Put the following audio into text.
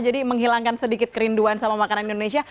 jadi menghilangkan sedikit kerinduan sama makanan indonesia